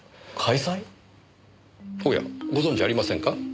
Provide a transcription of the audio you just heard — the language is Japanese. おやご存じありませんか？